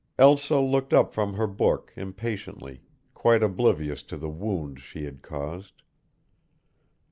Elsa looked up from her book impatiently, quite oblivious to the wound she had caused.